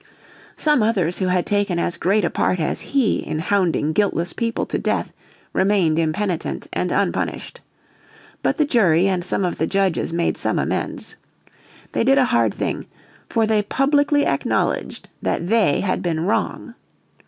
Some others who had taken as great a part as he in hounding guiltless people to death remained impenitent and unpunished. But the jury and some of the judges made some amends. They did a hard thing, for they publicly acknowledged that they had been wrong.